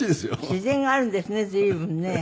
自然があるんですね随分ね。